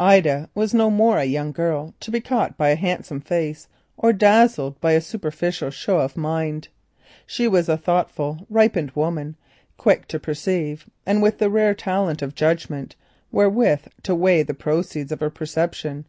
Ida was no more a young girl, to be caught by a handsome face or dazzled by a superficial show of mind. She was a thoughtful, ripened woman, quick to perceive, and with the rare talent of judgment wherewith to weigh the proceeds of her perception.